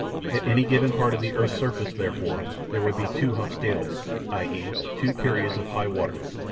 At any given part of the earth's surface, therefore, there would be two humps daily, i.e. two periods of high water.